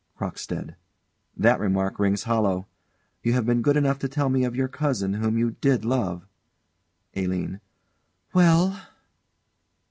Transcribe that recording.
CROCKSTEAD. That remark rings hollow. You have been good enough to tell me of your cousin, whom you did love ALINE. Well?